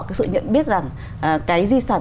cái sự nhận biết rằng cái di sản